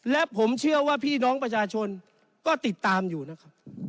และผมเชื่อว่าพี่น้องประชาชนก็ติดตามอยู่นะครับ